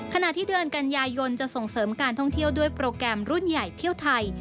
ขณะที่เดือนกันยายนจะส่งเสริมการท่องเที่ยวด้วยโปรแกรมรุ่นใหญ่เที่ยวไทย